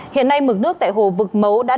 hiện nay mực nước tại hồ vực mấu tỉnh nghệ an